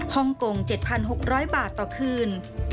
ฮ่องกง๗๖๐๐บาทต่อคืน